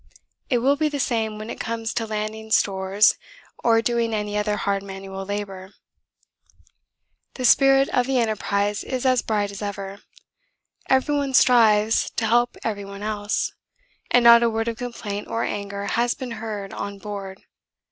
It will be the same when it comes to landing stores or doing any other hard manual labour. 'The spirit of the enterprise is as bright as ever. Every one strives to help every one else, and not a word of complaint or anger has been heard on board.